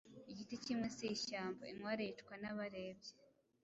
Igiti kimwe si ishyamba. Inkware yicwa n’abarebyi.